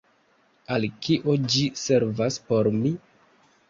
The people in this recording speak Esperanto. Al kio ĝi servas por mi?